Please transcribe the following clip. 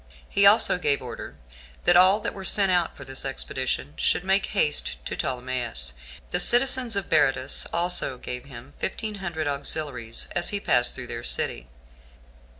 He also gave order that all that were sent out for this expedition, should make haste to Ptolemais. The citizens of Berytus also gave him fifteen hundred auxiliaries as he passed through their city.